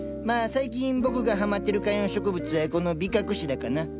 まあ最近僕がはまってる観葉植物はこのビカクシダかな。